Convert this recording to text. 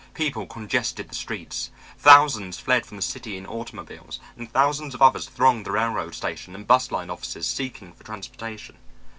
People congested the streets. Thousands fled from the city in automobiles, and thousands of others thronged the railroad station and bus line offices seeking for transportation.